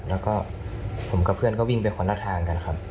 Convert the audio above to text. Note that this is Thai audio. แล้วก็ผมกับเพื่อนก็วิ่งไปคนละทางกันนะครับ